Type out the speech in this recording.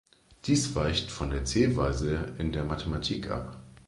Dies weicht von der Zählweise in der Mathematik ab.